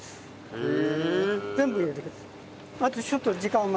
へえ。